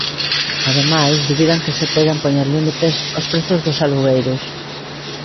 Ademais, dubidan que se poidan poñer límites aos prezos dos alugueiros.